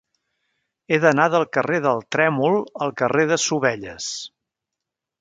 He d'anar del carrer del Trèmol al carrer de Sovelles.